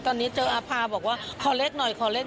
ตอนนี้เจออาภาบอกว่าขอเลขหน่อย